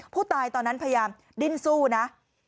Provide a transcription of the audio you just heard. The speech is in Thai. พอคุณพะลาจังพยายามดิ้นสู้นะ